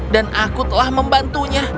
dan aku telah membantunya